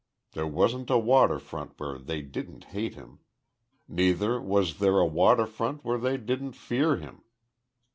There wasn't a water front where they didn't hate him neither was there a water front where they didn't fear him.